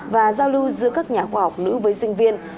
và giao lưu giữa các nhà khoa học nữ với sinh viên